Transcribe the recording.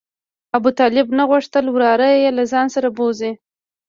ابوطالب نه غوښتل وراره یې له ځان سره بوځي.